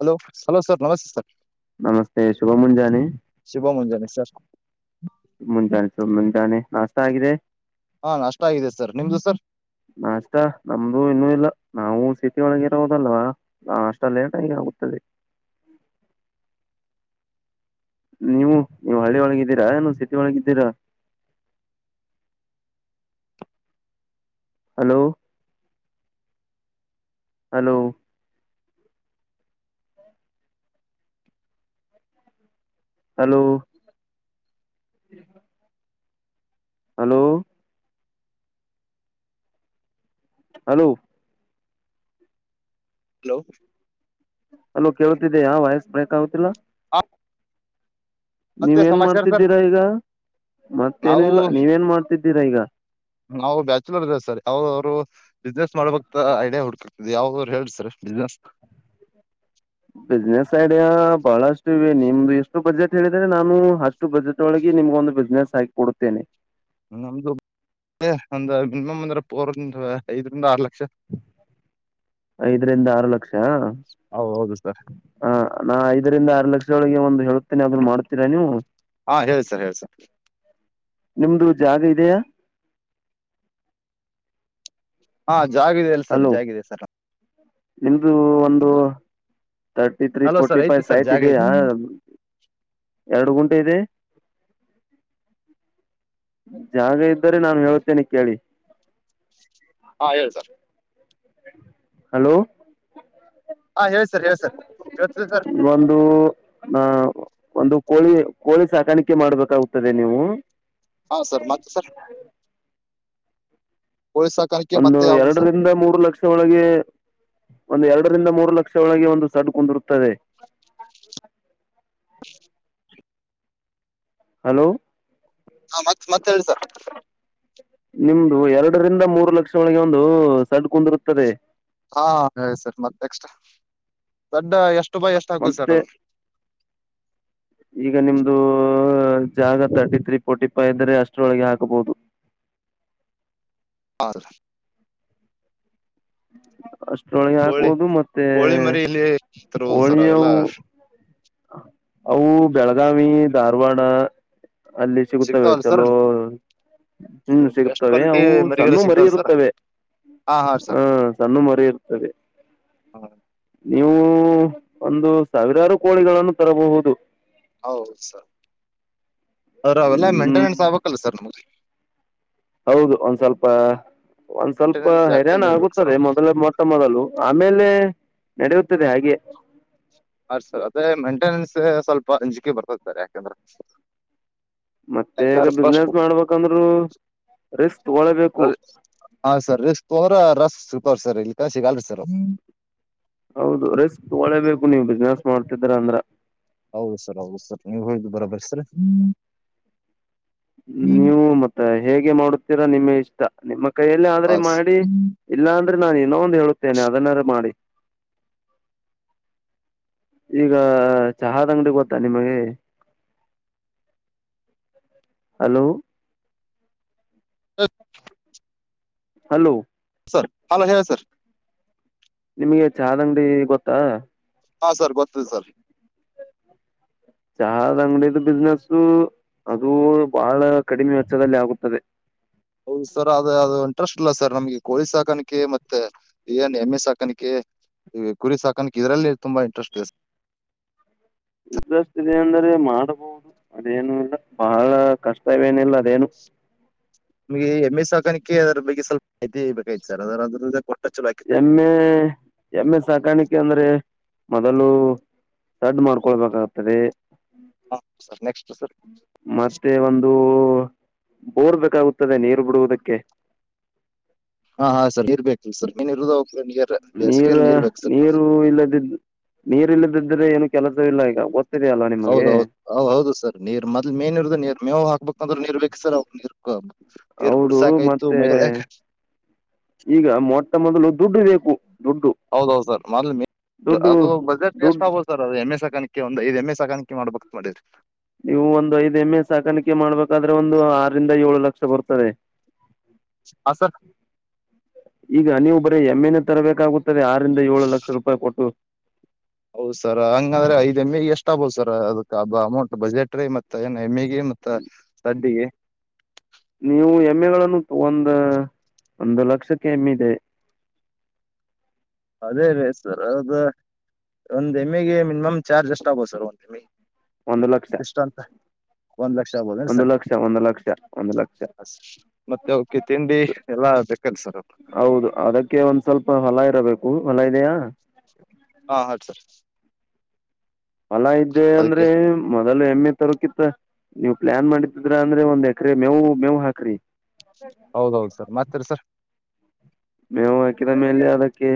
Hello hello sir ನಮಸ್ತೆ sir ನಮಸ್ತೆ ಶುಭ ಮುಂಜಾನೆ ಶುಭ ಮುಂಜಾನೆ ಸರ್ ಮುಂಜಾನೆ ಶುಭ ಮುಂಜಾನೆ ನಾಷ್ಟ ಆಗಿದೆ ಹಾ ನಷ್ಟ ಆಗಿದೆ ಸರ್ ನಿಮ್ದು ಸರ್ ನಾಷ್ಟ ನಮ್ದು ಇನ್ನು ಇಲ್ಲ ನಾವು ಸಿಟಿ ತಿಳಗಿರೋದಲ್ವಾ ನಾಷ್ಟ ಲೇಟ್ ಆಗಿ ಆಗುತ್ತದೆ [unintelligible] ನೀವು ನೀವು ಹಳ್ಳಿ ಒಳಗಿದ್ದೀರಾ ಏನು ಸಿಟಿ ಒಳಗಿದ್ದೀರಾ hello hello hello hello hello hello hello ಕೇಳತಿದ್ದೆಯಾ ವಯಸ್ ಬ್ರೇಕ್ ಆಗತಿಲ್ಲ ಹಾ, ಮತ್ತೆ ನೀವೇನ್ ಸಮಾಚಾರ ಸರ್ ಮಾಡ್ತಿದ್ದೀರಾ ಈಗ ಮತ್ತೇನು ನಾವು ಇಲ್ಲ ನೀವೇನ್ ಮಾಡ್ತಿದ್ದೀರಾ ಈಗ ನಾವು ಬ್ಯಾಚುಲರ್ ಇದವ ಸರ್ ಅವರ ಅವರು ಬಿಸ್ನೆಸ್ ಮಾಡಬೇಕ್ತ ಐಡಿಯಾ ಹುಡ್ಕಕ್ತದೆ ಯಾವ್ರು ಹೇಳಸ್ರ ಬಿಸ್ನೆಸ್ ಬಿಸ್ನೆಸ್ ಐಡಿಯಾ ಬಹಳಷ್ಟು ಇವೆ ನಿಮ್ದು ಎಷ್ಟು ಬಜೆಟ್ ಹೇಳಿದ್ರರೆ ನಾನು ಅಷ್ಟು ಬಜೆಟ್ ಒಳಗೆ ನಿಮ್ಗ ಒಂದು ಬಿಸ್ನೆಸ್ ಆಗಿ ಕೊಡುತ್ತೇನೆ ಒಂದ ಮಿನಿಮಮ್ ಅಂದ್ರ ಪರ್ ಐದರಿಂದ ಆರ್ ಲಕ್ಷ ಐದರಿಂದ ಆರು ಲಕ್ಷ ಹೌದು ಹೌದು ಸರ್ ಹ ನಾಐ ಐದರಿಂದ ಆರು ಲಕ್ಷದೊಳಗೆ ಒಂದು ಹೇಳುತ್ತೆನೆ ಅದನ್ನ ಮಾಡ್ತೀರಾ ನೀವು ಹಾ ಹೇಳಿ ಸರ್ ಹೇಳಿ ಸರ್ ನಿಮ್ದು ಜಾಗ ಇದೆಯಾ ಹಾ ಜಾಗ ಇದೆ ಅಲ್ಲ ಸರ್ ಜಾಗ ಇದೆ ಸರ್ ಇದು ಒಂದು thirty three hello sir forty five ಐತಿ ಸರ್ ಸೈಟ್ ಜಾಗ ಇದೆಯ ಐತಿ ಎರಡು ಗುಂಟೆ ಇದೆ ಜಾಗ ಇದ್ದರೆ ನಾನು ಹೇಳ್ತೇನೆ ಕೇಳಿ ಹಾ ಹೇಳಿ ಸರ್ ಹಲೋ ಹಾ ಹೇಳಿ ಸರ್ ಹೇಳಿ ಸರ್ ಕೇಳತದ ಸರ್ ಒಂದು ಆ ಒಂದು ಕೋಳಿ ಕೋಳಿ ಸಾಕಾಣಿಕೆ ಮಾಡ್ಬೇಕಾಗದೆ ನೀವು ಹಾ ಸರ್ ಮತ್ತ ಸರ್ ಕೋಳಿ ಸಾಕಾಣಿಕೆ ಒಂದು ಮತ್ತೆ ಯಾವ್ದು ಸರ್ ಎರಡರಿಂದ ಮೂರು ಲಕ್ಷ ಒಳಗೆ ಒಂದು ಎರಡು ಎರಡರಿಂದ ಮೂರು ಲಕ್ಷ ಒಳಗೆ ಒಂದು ಸಡ್ ಕುಂದಿರುತ್ತದೆ ಹಲೋ ಹ ಮತ್ ಮತ್ತತ್ ಹೇಳಿ ನಿಮ್ದು ಎರಡರಿಂದ ಮೂರು ಲಕ್ಷ ಒಳಗೆ ಒಂದು ಸಡ್ ಕುಂದಿರುತ್ತದೆ ಹಾ ಹೇಳ ಸರ್ ಮತ್ತ ನೆಕ್ಸ್ ಮತ್ತೆ ಈಗ ನಿಮ್ದು ಜಾಗ ತರ್ಟಿ ತ್ರೀ ಫೋರ್ಟಿ ಫೈ ಎಂದರೆ ಅಷ್ಟರೊಳಗೆ ಹಾಕಬಹುದು [unintelligible] ಅಷ್ಟೊಳಗೆ ಕೋಳಿ ಹಾಕುವೋದು ಮತ್ತೆ ಕೋಳಿ ಮರಿ ಇಲ್ಲಿ ತರುವುದು ಸರ್ ಅವೆಲ್ಲ ಹೋಳಿಯವು ಅವು ಬೆಳಗಾವಿ ಧಾರವಾಡ ಅಲ್ಲಿ ಸಿಗುತ್ತವೆ ಸಿಗ್ತಾವಲ್ಲ ಸರ್ ಚಲೋ ಹ್ಮ್ ಬೆಸ್ಟ್ ಸಿಗತವೆ ಕ್ವಾಲಿಟಿ ಅವು ಮರಿಗಳು ಸಣ್ಣು ಮರಿ ಸಿಗ್ತಾವಲ್ಲ ಸರ್ ಇರುತ್ತವೆ ಹಾ ಹಾ ಹಾ ಸರ್ ಸಣ್ಣ ಮರಿ ಇರ್ತದೆ ನೀವು ಒಂದು ಸಾವಿರಾರು ಕೋಳಿಗಳನ್ನು ತರಬಹುದು ಹೌದು ಸರ್ ಸ ಅವೆಲ್ಲ ಹ್ಮ್ ಮೇಂಟೆನೆನ್ಸ್ ಆಗ್ಕ್ಲ್ಲ ಸರ್ ನಮಗೆ ಹೌದು ಒಂದ್ ಸ್ವಲ್ಪ ಒಂದ್ ಸ್ವಲ್ಪ ಮೇಂಟೆನೆನ್ಸ್ ಹರಿಣ ಜಾಸ್ತಿನೇ ಇರ್ಬೇಕು ಸರ್ ಆಗುತ್ತದೆ ಅವಕ್ ಮೊದಲ ಮೊಟ್ಟ ಮೊದಲು ಆಮೇಲೆ ನಡೆಯುತ್ತದೆ ಹಾಗೆ ಅ ಸರ್ ಅದೇ ಮೇಂಟೆನೆನ್ಸ್ ಸ್ವಲ್ಪ ಅಂಜಿಕೆ ಬರ್ತಾತಾರೆ ಯಾಕಂದ್ರ ಮತ್ತೆ ಈಗ ಬಿಸ್ನೆಸ್ ಮಾಡ್ಬೇಕಂದ್ರರು ರಿಸ್ಕ್ ತಗೊಳ್ಳೇಬೇಕು ಹ ಸರ್ ತೋರ ರಸ್ ಸಿಗ್ತವ್ರ ಸರ್ ಇಲ್ಕ ಸಿಗಲ್ರಿ ಸರ್ ಹೌದು ರಿಸ್ಕ್ ತಗೋಳ್ಳೇಬೇಕು ನೀವ್ ಬಿಸ್ನೆಸ್ ಮಾಡ್ತಿದ್ರ ಅಂದ್ರ ಹೌದು ಸರ್ ಹೌದು ಸರ್ ನೀವ್ ಹೇಳ್ದು ಬರಬಯಸ್ತ್ರ ಹ್ಮ ನೀವು ಮತ್ತ ಹೇಗೆ ಮಾಡುತ್ತೀರಾ ನಿಮಗೆ ಇಷ್ಟ ನಿಮ್ಮ ಕೈಯಲ್ಲ ಆದ್ರೆ ಹೌದು ಮಾಡಿ ಇಲ್ಲಾ ಅಂದ್ರೆ ನಾನು ಇನ್ನೊ ಒಂದು ಹೇಳುತ್ತೇನೆ ಅದನ್ನಾದಾರ ಮಾಡಿ [inaudible] ಈಗ ಚಹಾದಂಗಡಿ ಗೊತ್ತಾ ನಿಮಗೆ [inaudible] ಹಲೋ ಹ್ಮ ಹಲೋ ಸರ್ ಹಲೋ ಹೇಳಿ ಸರ್ ನಿಮ್ಗೆ ಚಾರ್ ಅಂಗಡಿ ಗೊತ್ತಾ ಹಾ ಸರ್ ಗೊತ್ತದೆ ಸರ್ ಚಹದ ಅಂಗಡಿದು ಬಿಸ್ನೆೆಸು ಅದು ಬಹಳ ಕಡಿಮೆ ವೆಚ್ಚದಲ್ಲಿ ಆಗುತ್ತದೆ ಹೌದು ಸರ್ ಅದ ಯಂಟು ಇಂಟ್ರೆಸ್ಟ್ ಇಲ್ಲ ಸರ್ ನಮ್ಗೆ ಕೋಳಿ ಸಾಕಾಣಕೆ ಮತ್ತೆ ಏನ್ ಎಮ್ಮೆ ಸಾಕಾಣಿಕೆ ಈಗ ಕುರಿ ಸಾಕಕ್ ಇದ್ರಲ್ಲಿ ತುಂಬಾ ಇಂಟ್ರೆಸ್ಟ್ ಇ ಹ್ಮ ಇದೆ ಅಂದ್ರೆ ಮಾಡಬಹುದು ಅದೇನು ಇಲ್ಲ ಬಹಳ ಕಷ್ಟವೇನಿಲ್ಲ ಅದೇನು ನಿಮ್ಗೆ ಎಮ್ಮೆ ಸಾಕಾಣಿಕ ಅದ್ರ ಬಗ್ಗೆ ಸ್ವಲ್ಪ ಮಾಹಿತಿ ಬೇಕ್ತ್ ಸರ್ ಅದದ ಎಮ್ಮೆ ಎಮ್ಮೆ ಸಾಕಾಣಿಕೆ ಅಂದ್ರೆ ಮೊದಲು ಸಡ್ ಮಾಡ್ಕೊಳ್ಬೇಕಾಗ್ತದೆ ಹಾ ಸರ್ ನೆಕ್ಸ್ಟ್ ಸರ್ ಮತ್ತೆ ಒಂದು ಬೋರ್ಬೇಕೇಕಾಗುತ್ತದೆ ನೀರು ಬಿಡುವುದಕ್ಕೆ ಹಾ ಹ ಸರ್ ಇರ್ಬೇಕು ಸರ್ ನೀರ್ ಇರುದ ಅವಕ್ಕೆ ನೀರ ನೀರು ಇಲ್ಲದಿದ್ದ ನೀರ್ ಇಲ್ಲದಿದ್ದ್ರೆ ಏನು ಕೆಲಸ ಇಲ್ಲ ಈಗ ಗೊತ್ತಿದೆಯಲ್ಲ ನಿಮಗೆ ಹೌದೌದು ಹ ಹೌದು ಸರ್ ನೀರ್ ಮದ್ಲ್ ಮೇನ್ ಇರ್ದ ನೀರ್ ಮೇವು ಹಾಕ್ಬೇಕು ಅಂದ್ರೆ ನೀರ್ ಬೇಕು ಸರ್ ಅವ ನೀರ್ ನೀರ್ ಹೌದು ಕುಡ್ಸಾಕಾಯ್ತು ಮತ್ತೆ ಮೈ ತೊಳ್ಯಾಕ ಈಗ ಮೊಟ್ಟ ಮೊದಲು ದುಡ್ಡು ಬೇಕು ದುಡ್ಡು ಹೌದೌದು ಸರ್ ಮದ್ ದುಡ್ಡು ಅದು ಬಜೆಟ್ ಎಷ್ಟು ದುಡ್ಡು ಆಗ್ಬೋದು ಸರ್ ಅದು ಎಮ್ ಎಸ್ ಸಾಕಾಣಕ್ಕೆೆ ಒಂದು ಐ್ ಎಮ್ ಎಸ್ ಸಾಣಿಕೆ ಮಾಡ್ಬೇಕಕ್ತ್ ಮಾಡಿರರಿ ನೀವು ಒಂದು ಐದ್ ಎಮ್ಮ ಎ ಸಾಕಾಣಿಕೆ ಮಾಡ್ಬೇಕಾದ್ರೆ ಒಂದು ಆರರಿಂದ ಏಳು ಲಕ್ಷ ಬರ್ತದೆ. [inaudible] ಹ ಸರ್. ಈಗ ನೀವು ಬರೀ ಎಮ್ಮೆನೆ ತರಬೇಕಾಗುತ್ತದೆ ಆರಿಂದ ಏಳ ಲಕ್ಷ ರೂಪಾಯಿ ಕೊಟ್ಟು. ಹೌದ್ ಸರ್ ಹಂಗಂದ್ರೆ ಐದ ಮೇ ಎಷ್ಟ ಆಗ್ಬಹದು ಸರ್ ಅದಕ್ ಅಮೌಂಟ್ ಬಜೆಟ್ರಿ ಮತ್ತ ಏನ ಎಮ್ಮೆಗೆ ಮತ್ತ ಸಡ್ಡಿಗೆ. ನೀವು ಎಮ್ಮೆಗಳನ್ನು ಒಂದು ಒಂದು ಲಕ್ಷಕ್ಕೆ ಎಮ್ಮಿ ಇದೆ. [inaudible] ಅದೇ ರೇ ಸರ್ ಅದು ಒಂದ್ ಎಮಿಗೆ ಮಿನಿಮಮ್ ಚಾರ್ಜ್ ಅಷ್ಟ ಆಗೋದು ಸರ್. ಒಂದು ಲಕ್ಷ. ಇಷ್ಟ ಅಂತ ಒಂದ್ ಲಕ್ಷ ಆಗ್ಬೋದ ಒಂದು ಸರ್ ಲಕ್ಷ ಒಂದು ಲಕ್ಷ ಒಂದು ಲಕ್ಷ ಮತ್ತೆ ಅವಕೆ ತಿಂಡಿ ಎಲ್ಲ ಓಕೆ ಸರ್. ಹೌದು ಅದಕ್ಕೆ ಒಂದ್ ಸ್ವಲ್ಪ ಹೊಲ ಇರಬೇಕು ಹೊಲ ಇದೆಯಾ. ಹಾ ಹೌ ಸರ್. ಮಲ ಇದ್ದೆ ಅದಕ್ಕೆ ಅಂದ್ರೆ ಮ ಅಲ್ಲ ಎಮ್ಮೆ ತರೋಕಿತ್ತ ನೀವ್ ಪ್ಲಾನ್ ಮಾಡಿದ್ರ ಅಂದ್ರೆ ಒಂದ್ ಎಕರೆ ಮೇವು ಮೇವು ಹಾಕ್ರಿ. ಹೌದೌದು ಸರ್ ಮತರಿ ಸರ್. ಮೇವು ಹಾಕಿದ ಮೇಲೆ ಅದಕ್ಕೆ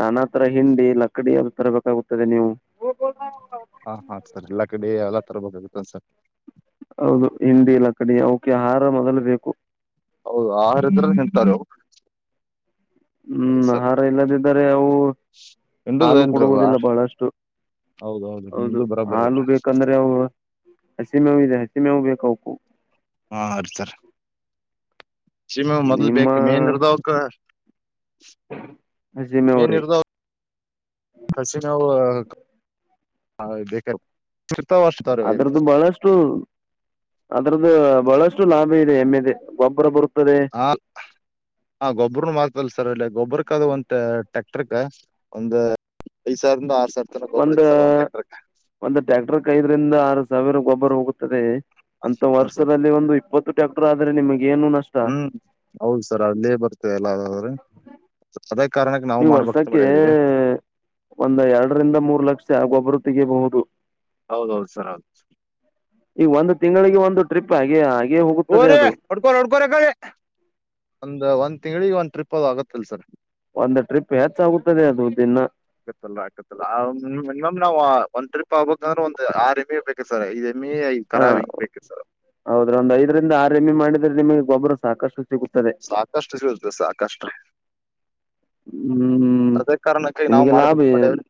ನಾನಾ ತರ ಹಿಂಡಿ ಲಕ್ಕಡಿ ಅದ ತರಬೇಕಾಗುತ್ತದೆ ನೀವು. [unintelligible] ಹಾ ಹಾ ಸರ್ ಎಲ್ಲಾ ಲಕಡಿ ಎಲ್ಲ ತರ ಬೇಕಾಗತ್ತನ್ ಸರ್. ಹೌದು ಹಿಂಡಿ ಲಕ್ಕಡಿ ಅವಕೆ ಆಹಾರ ಮೊದಲು ಬೇಕು. ಹೌದು ಆಹಾರ ಅಂದ್ರ್ ಹಿಂಡತಾವ್ ಅವ್ರಿ. ಹ್ಮ್ ಆಹಾರ ಇಲ್ಲದಿದ್ದರೆ ಅವು ಹಿಂಡುದ ಹಾಲು ಏನ್ರಿ ಅವು ಕೊಡುವುದಿಲ್ಲ ಆಹಾರ? ಬಹಳಷ್ಟು. ಹೌದೌದು ಹೌದು ನಿಮ್ದು ಬರೋಬರಿ ಹಾಲು ಬೇಕಂದ್ರೆ ಅವು ಹಸಿಮೇವು ಇದೆ. ಹಸಿ ಮೇವು ಬೇಕ ಅವಕು. ಹಾರಿ ಸಾರ್. ಹಸಿಮೆವು ಮೊದ್ಲು ನಿಮ್ಮ ಬೇಕಕ್ ಮೇನ್ ಇರ್ದವಕ್. ಚಜ್ಜಿ ಮೇವ ಮೇನ್ ರಿ. ಇರ್ದವ ಹಸಿ ಮೇವ ಬೇಕರಿ. ಅದ್ರದ್ದು ಬಹಳಷ್ಟು ಅದ್ರದ್ದು ಬಹಳಷ್ಟು ಲಾಭ ಇದೆ ಎಮ್ಮೆದ. ಗೊಬರ ಬರು ಹ ಹ ಗೊಬ್ಬ್ರನು ಮಾಡ್ತಲ್ಲ ಸರ್ ಅಲ್ಲಿ ಗೊಬ್ಬ್ರ ಕದು ಒಂದ ಟ್ಯಾಕ್ಟರ್ ಒಂದು ಐ ಸಾವಿರದಂದ ಆರ ಒಂದ ಒಂದು ಟ್ಯಾಕ್ಟರ್ಕ್ ಐದರಿಂದ ಆರು ಸಾವಿರ ಗೊಬ್ಬರ ಹೋಗುತ್ತದೆ. ಅಂತ ಹ ಸರ್ ವರ್ಷದಲ್ಲಿ ಒಂದು ಇಪ್ಪತ್ತು ಟ್ಯಾಕ್ಟರ್ ಆದ್ರೆ ನಿಮಗ ಏನು ನಷ್ಟ. ಎಲ್ಲಾದ್ರೆ ಅದ ನೀವು ವರ್ಷಕ್ಕೆ ಒಂದ ಎರಡರಿಂದ ಮೂರ್ ಲಕ್ಷ ಆ ಗೊಬ್ಬರು ತೆ ಬೋುದು ಹೌದೌದು ಸರ್ ಹೌದು ಈಗ ಒಂದು ತಿಂಗಳಿಗೆ ಒಂದು ಟ್ರಿಪ್ ಹಾಗೆ ಹಾಗೆ ಹೋಗುತ್ತದೆ ಹೋರಿ ಅದು ಹೊಡ್ಕೋ ಹೊಡ್ಕೋ್ರಿ ಒಂದು ಒಂದ ತಿಂಗಳಿಗೆ ಒಂದು ಟ್ರಿಪ್ ಅದು ಆಗತ್ತಲ್ಲ ಸರ್. ಒಂದು ಟ್ರಿಪ್ ಹೆಚ್ಚಾಗುತ್ತದೆ ಅದು ದಿನ. ಆಗತ್ತಲ್ಲ ಆಕತ್ತಲ್ಲ ಮಿನಿಮಮ್ ನಾವವು ಒಂದ್ ಟ್ರಿಪ್ ಆಗ್ಬೇಕ ಅಂದ್ರೆ ಒಂದು ಆಮಿ ಇರ್ಬೇಕ ಸರ್. ಎಮಿ ಐದ್ ಹಾ ಕರಾವಿ ಬೇಕ ಸರ್ ಹೌದ್ರ ಒಂದ್ ಐದರಿಂದ ಆರ್ ಎಮ್ಮಿ ಮಾಡಿದ್ರೆ ನಿಮಗೆ ಗೊಬ್ಬರು ಸಾಕಷ್ಟು ಸಿಗುತ್ತದೆ ಸಾಕಷ್ಟು ಸಿಗತ ಸಾಕಷ್ಟು. ಹ್ಮ್ ಅದೇ ಕಾರಣಕ್ಕೆ ನಾವವು ನಿಮಗೆ ಲಾಭ ಮಾಡ್ಬೇಕು ಮಾಡೇವ್ರಿ.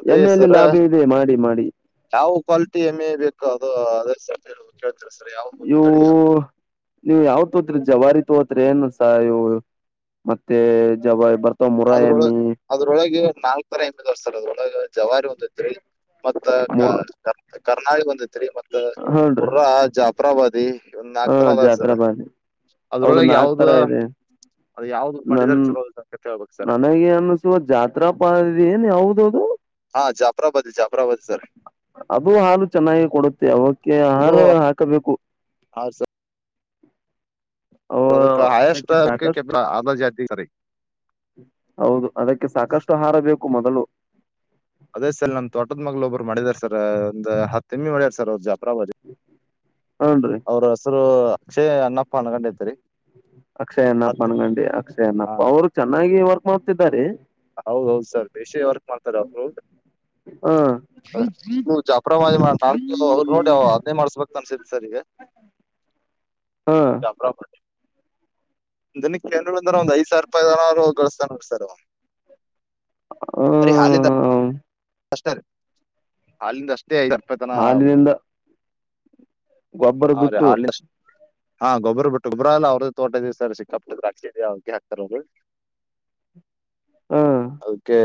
ಅದೇ ಎಮ್ಮೆಯಲ್ಲಿ ಸರ ಲಾಭ ಇದೆ ಮಾಡಿ ಮಾಡಿ ಯಾವ ಕ್ವಾಲಿಟಿ ಎಮ್ಮೆ ಬೇಕು ಅದು [inaudible] ಇವು ತಳಿ ನೀವು ಯಾವ ತೋಗತ್ರಿ. ಜವಾರಿ ತೋತ್ೆ ಏನ್ಸ ಇ ಮತ್ತೆ ಜವಾರಿ ಬರ್ ತೊಮರ ಅಮಿ ನಾಲ್ಕರ ಎಂಬದ್ ವರ್ಷ ಅದ ಒಳಗ ಜವಾರಿ ಒಂದತ್ರಿ ಮತ್ತ ಕರ್ನಾಳಿ ಒಂದತ್ರಿ ಹೌನ್್ರಿ ಉಪರಾವಾದಿ ಒಂದ್ ನಾಲ್ಕ ತರದತರ ಬಾರಿ ಹೌದು ಅದ್ರೊಳಗೆ ನಾಕ್ ಯಾವ್ದ ತರ ಇದೆ ಅದು ಯಾವ್ದ್ ನನ್ ಮಾಡಿದಿದ್ದಾರೆ ಚಲೋ ಹೇಳ್ಬೇಕು ಸರ್ ನನಗೆ ಅನ್ಸುವ ಜಾತ್ರಾ ಪ ಏನ್ ಯಾದೌದು ಹಾ ಜಾಪರಾ ಬದೆ ಜಾಪಾ ಅದು ಹಾಲು ಚೆನ್ನಾಗಿ ಕೊಡುತ್ತೆ ಅವಕ್ಕೆ ಆಹಾರ ಹಾಕಬೇಕು ಆಸ ಅವ ಅದಕ್ಕೆ ಆಯಸ್ಟ್ ಅದಕ್ಕೆ ಕೆ ಸಾಕಷ್ಟು ಆಧಜಾತಿಿಕಾರಿ ಹೌದು ಅದಕ್ಕೆ ಸಾಕಷ್ಟುಹಾರ ಬೇಕು ಮೊದಲು ಅದೇ ಸರ್ ನಮ ತೋಟದ ಮಗ್್ ಒಬ್ರು ಮಾಡಿದಾರ ಸರ್ ಒಂದ್ ಹತ್ತು ತಿಮ್ಮಿ ಮಾಡ್ಯಡ್ ಸರ್ ಅವ ಜಾಪ್ರಾ ಬಜಿ ಹನ್ರಿ ಅವ್ರ ಹೆಸರು ಸ ಅನ್ನಪ್ಪ ಅ್ಣ ಕಂಡೈತರಿ ಅಕ್ಷಯ್ ಅನ್ನಪ್ಪ ಅನಗಂಡಿ ಅಕ್ಷಯ ಹ ಅನ್ನಪ್ಪ ಅವರು ಚೆನ್ನಾಗಿ ವರ್ಕ್ ಮಾಡ್ತಿದ್ದಾರೆ ಹೌದೌದು ಸರ್ ಬೇಶಿ ವರ್ಕ್ ಮಾಡ್ತಾರ ಅವರು ಹ ನೀ ಜಾಪರಾವಿ ನಾ ಅವರು ನೋಡಿ ಅದನ್ನೇ ಮಾಡಸ್ಬೇಕಕ್ ಅನ್ಸತಿ ಸರ್ ಈಗ ಹ್ಞೂ ಚಪಾಬ ಹ ದನಿ ಕೆ ಬಂದ್ರ ಒಂದ್ ಐ್ ಸಾವರ ರೂಪಾಯನರು ಗಳಸ್ತ ನೋಡ್ ಸರ್ ಅರೆ ಹಾಲಿದ ಹ ಅಷ್ಟೇ ಹಾಲಂದ ಅಷ್ಟೇ ಐದು ಅಪ್ಪೈ ತನ ಆಗ ಹಾಲಿನಿಂದ ಗೊಬ್ಬರ ಬಿದುಟ್ಟು ಹಾ ಗೊಬ್ಬ್ರ ಬಿಟ್ಟು ಗೊಬ್ರ ಎಲ್ಲ ಅವ್ರ ತೋಟ ಇದೀವಿ ಸರ್ ಸಿಿಕ್ಕಪ್ಪಿದ್ರಾ ಅವ್ರಿಗೆ ಹಾಕ್ತಾರ ಅವರು ಹ ಅದಕ್ಕೆ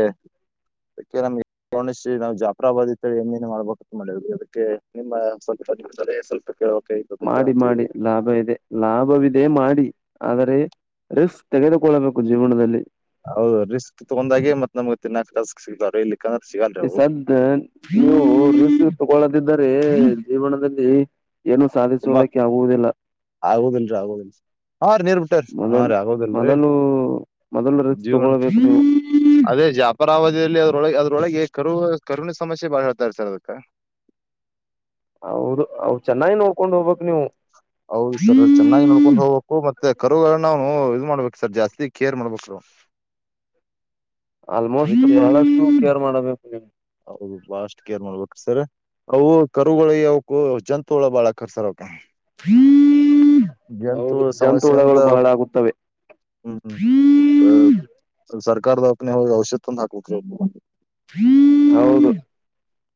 ಅಕ್ಕೆ ನಮಗೆ ಕೋಣಶೀ ನಾವು ಜಾಫರಾಬಾದ್ ಇೇಳಿ ಎಏೇನು ಮಾಡ್ಬೇಕ ಮ ಅದಕ್ಕೆ ನಿಮ್ಮ ಸ್ವಲ್ಪಾರೆ ಸ್ವಲ್ಪ ಕೇಳಬೇಕಾಗಿತ್ತು ಅದಕ್ಕೆ ಮಾಡಿ ಮಾಡಿ ಹಚ್ಚಿದ್ವಿ ಲಾಭ ಇದೆ ಲಾಭವಿದೆ ಮಾಡಿ ಆದರೆ ರಿಸ್ಕ್ ತೆಗೆದುಕೊಳ್ಳಬೇಕು ಜೀವನದಲ್ಲಿ ಹೌದು ರಿಸ್ಕ್ ತಗೊಂಡಾಗೆ ಮತ್ ನಮ್ಗೆ ತಿನ್ನಾಕ್ಕ್ ಸಿಗ್ತಾವರು ಇಲ್ಲಿ ಸದ ನೀವು ತಗೊಳ್ಳದಿದ್ದರೆ ಜೀವನದಲ್ಲಿ ಏನು ಸಾಧಿಸುವುದಕ್ಕೆ ಆಗುವುದಿಲ್ಲ ಆಗೋದನ್ರರಿ ಆಗೋದನ್ರಿ ಹಾ ರ ನೀರ್ ಬಿಟ್ಟಾರ ಹಾ ಮೊದಲು ರೀ ಆಗೋದಲ್ರಿ ಮೊದಲು ಮೊದಲು ರಿಸ್ಕ್ ಜೀವನ್ ತಗೊಳ್ಬೇಕು ನೀವು ಅದೇ ಜಾಪಾ ಾವಧಿಯಲ್ಲಿ ಅದ್ರೊಳ ಅದ್ರೊಳಗೆ ಕರು ಕರುವಣಿನ ಸಮಸ್ಯೆ ಬಾಳ ಹೇಡ್ತಾರೆ ಸರ್ ಅದಕ್ಕೆ ಅವದು ಅವ ಚೆನ್ನಾಗಿ ನೋಡ್ಕೊಂಡ್ ಹೋಗ್ಬಕ್ ನೀವು ಹೌದ್ ಸರ್ ಚೆನ್ನಾಗಿ ನೋಡ್ಕೊಂಡ್ ಹೋಗ್ಬೇಕು ಮತ್ತೆ ಕರುಗಳ ನಾವು ಮಾಡ್ಬೇಕ ಸರ್ ಜಾಸ್ತಿ ಕೇರ್ ಮಾಡ್ಬೇಕು ಆಲ್ಮೋಸ್ಟ್ ಬಹಳಷ್ಟು ಕೇರ್ ಮಾಡಬೇಕು ಬಾಳಷ್ಟ್ ಕೇರ್ ಮಾಡ್ಬೇಕ ಸರ್ ಅವು ಕರುಗಳ ಯಾವಕು ಜಂತುಳ ಬಾಳಕರ್ ಸರ್ ಅವಕ ಹ್ಮ್ ಜಂತುಉಲ್ಲಾ ಸಾಮಸ್ಯೆಿಂದ ಆಗುತ್ತವೆ ಹ್ಮ ಸರ್ಕಾರದಪ್ನ ಹೋಗಿ ಔಷಧ ತಂದು ಹಾಕಬೇಕ ಹೌದು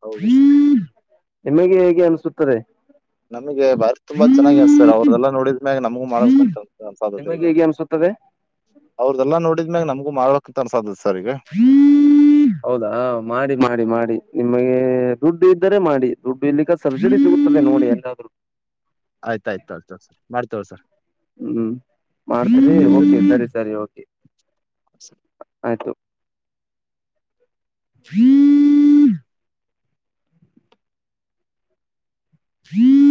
ಹೌದ್ರಿ ನಿಮಗೆ ಹೇಗೆ ಅನಿಸುತದೇ ನಮಗೆ ಬರಿ ತುಂಬಾ ಚೆನ್ನಾಗಿ ಸರ್ ಅವ್ರದೆಲ್ಲ ನೋಡಿದ್ಮ್ಯಾಗ ನಮಗ ಮಾಡಂತ ಸಾಧೋದರಿಗ ತದೆ ಅವ್ರ್ದೆಲ್ಲ ನೋಡಿದ್ಮ್ಯಾಗ ನಮಗೂ ಮಾಡೋಕಂತ ಅನ್ಸಾದ ಹೌದಾ ಮಾಡಿ ಮಾಡಿ ಮಾಡಿ ನಿಮಗೆ ದುಡ್ಡು ಇದ್ದರೆ ಮಾಡಿ ದುಡ್ಡು ಇಲ್ಲಿಕ್ಕ ಸಬ್ಸಿಡಿ ಸಿಗುತ್ತದೆ ನೋಡಿ ಎಲ್ಲಾದ್ರೂ ಆಯ್ತಾಯ್ತ ಆಯ್ತ ಸರ್ ಮಾಡ್ತೇವ ಸರ್ ಹ್ಮ್ ಮಾಡ್ತೀವಿ ಓಕೇ ಆಯ್ತು ಸರಿ ಸರಿ ಓಕೇ ಆಯ್ತು ಹ್ಮ [unintelligible] [inaudible] ಹ್ಮ್ [inaudible] [unintelligible]